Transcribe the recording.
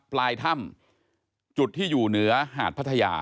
ปลายถ้ำจุดที่อยู่เหนือหาดพัทยา